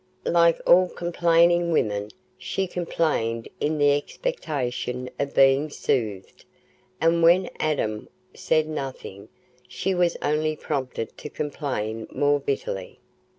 Like all complaining women, she complained in the expectation of being soothed, and when Adam said nothing, she was only prompted to complain more bitterly.